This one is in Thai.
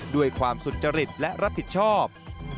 ด้วยความสุจริตและรับผิดชอบ